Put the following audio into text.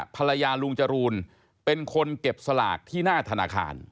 ลุงจรูนเป็นคนเก็บสลากที่หน้าธนาคาร